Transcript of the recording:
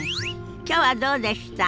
きょうはどうでした？